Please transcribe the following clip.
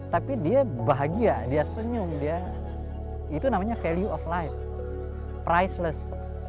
tapi dia bahagia dia senyum dia itu namanya value of life priceless